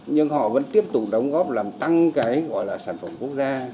nhưng họ vẫn tiếp tục đóng góp làm tăng cái gọi là sản phẩm quốc gia